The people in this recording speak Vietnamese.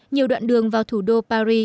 nhiều đoạn đường vào thủ đô paris